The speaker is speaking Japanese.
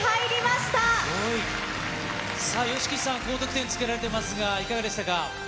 さあ、ＹＯＳＨＩＫＩさん、高得点つけられていますが、いかがでしたか。